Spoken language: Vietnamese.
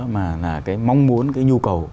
mà là cái mong muốn cái nhu cầu